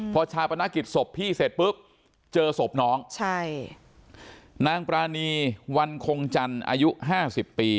พอชาปนกิจศพพี่เสร็จปุ๊บเจอศพน้องใช่นางปรานีวันคงจันทร์อายุห้าสิบปี